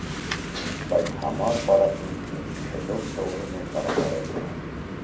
Բայց համառ պարապմունքներից հետո սովորում է կառավարել նրանց։